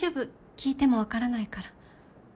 聞いても分からないから。